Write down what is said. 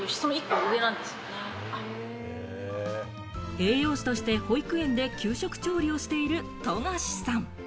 栄養士として保育園で給食調理をしている富樫さん。